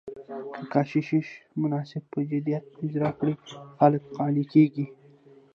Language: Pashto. که کشیش مناسک په جديت اجرا کړي، خلک قانع کېږي.